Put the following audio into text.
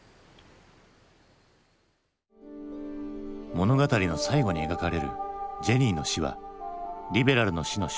物語の最後に描かれるジェニーの死はリベラルの死の象徴か？